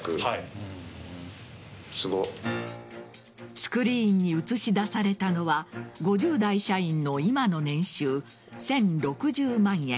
スクリーンに映し出されたのは５０代社員の今の年収１０６０万円。